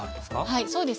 はいそうですね。